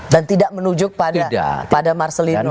dan tidak menunjuk pada marcelino